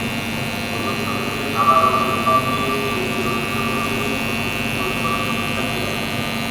প্রদর্শনীতে নানা রঙের বোতাম দিয়ে শিল্পী রশিদ চৌধুরীর প্রতিকৃতি তৈরি করেছেন শিক্ষার্থীরা।